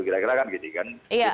kira kira kan gitu kan